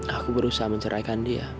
aku berusaha menceraikan dia